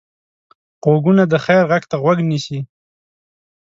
غوږونه د خیر غږ ته غوږ نیسي